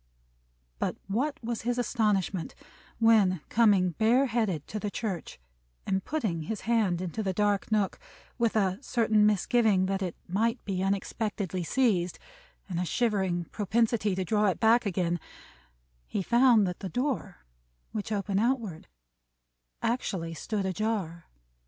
But what was his astonishment when, coming bare headed to the church, and putting his hand into this dark nook, with a certain misgiving that it might be unexpectedly seized, and a shivering propensity to draw it back again, he found that the door, which opened outward, actually stood ajar!